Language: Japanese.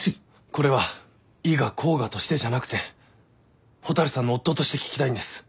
これは伊賀甲賀としてじゃなくて蛍さんの夫として聞きたいんです。